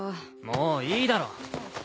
もういいだろ。